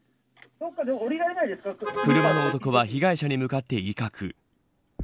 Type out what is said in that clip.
車の男は被害者に向かって威嚇。